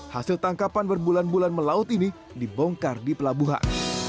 hasil tangkapan berbulan bulan melaut ini dibongkar di pelabuhan